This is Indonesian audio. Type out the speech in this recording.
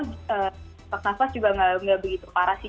sesak nafas juga nggak begitu parah sih